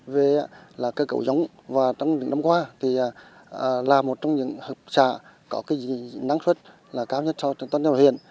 về cơ cấu giống và trong những năm qua là một trong những hợp xã có năng suất cao nhất trong toàn đất huyền